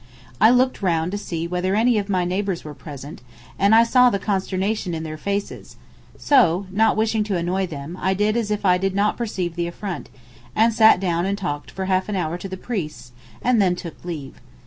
I looked round to see whether any of my neighbours were present, and I saw the consternation in their faces so, not wishing to annoy them, I did as if I did not perceive the affront, and sat down and talked for half an hour to the priests, and then took leave.